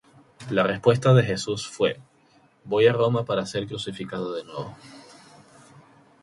La respuesta de Jesús fue: 'Voy a Roma para ser crucificado de nuevo'.